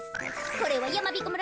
これはやまびこ村